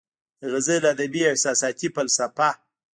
د غزل ادبي او احساساتي فلسفه